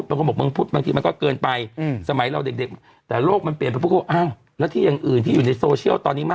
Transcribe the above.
พ่อแม่ไขน้าวนี่เขาแอบตกใจนะ